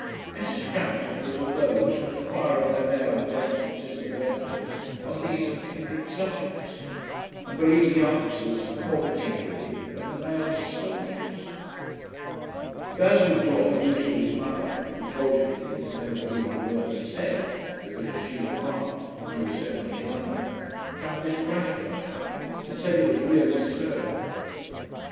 Mrs. Frampton was of those who inquire of their male acquaintances and relatives on these and kindred subjects, and believe the answers, more particularly when the males are soldiers. Basil Doye, used to his mother, who told him things and never believed a word he said, because, as she remarked, he was so much younger, found this gratifying, and said it was really so. Mrs.